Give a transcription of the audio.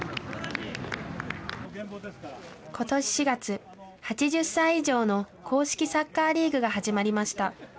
ことし４月、８０歳以上の公式サッカーリーグが始まりました。